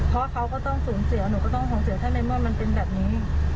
เพราะเขาก็ต้องสูญเสียหนูก็ต้องสูญเสียถ้าในเมื่อมันเป็นแบบนี้